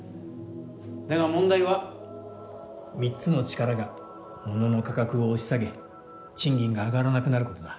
だが問題は３つの力がモノの価格を押し下げ賃金が上がらなくなることだ。